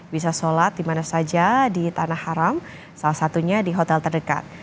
bisa sholat di mana saja di tanah haram salah satunya di hotel terdekat